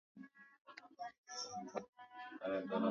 nne za Kenya dola mia mbili tisini na nane